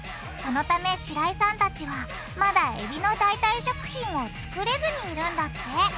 そのため白井さんたちはまだえびの代替食品を作れずにいるんだってえ！